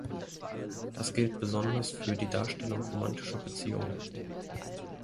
Das gilt besonders für die Darstellung romantischer Beziehungen.